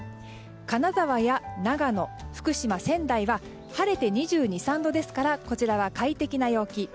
神奈川や長野、福島、仙台は晴れて２２度２３度ですからこちらは快適な陽気。